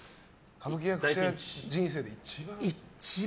歌舞伎役者人生で一番。